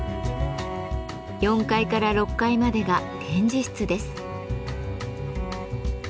４階から６階までが展示室です。